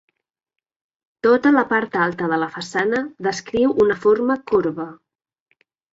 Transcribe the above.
Tota la part alta de la façana descriu una forma corba.